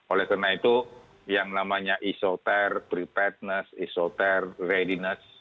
oleh karena itu yang namanya esoter preparedness esoter readiness